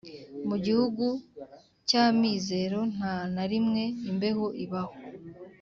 mu gihugu cy'amizero nta na rimwe imbeho ibaho